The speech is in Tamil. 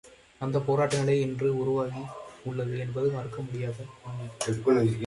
அந்தப் போராட்ட நிலை இன்று உருவாகி உள்ளது என்பது மறுக்கமுடியாத உண்மை.